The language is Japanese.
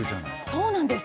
そうなんです。